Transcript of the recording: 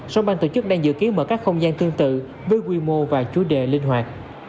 song bang tổ chức đang dự kiến mở các không gian tương tự với quy mô và chủ đề linh hoạt